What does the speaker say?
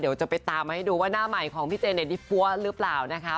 เดี๋ยวจะไปตามมาให้ดูว่าหน้าใหม่ของพี่เจนนี่ปั๊วหรือเปล่านะคะ